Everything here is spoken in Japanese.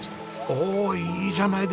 おおいいじゃないですか。